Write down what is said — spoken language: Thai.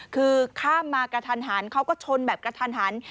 คือข้ามมากระทันหันเขาก็ชนแบบกระทันหัน